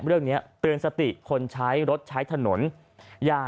จังหวะเดี๋ยวจะให้ดูนะ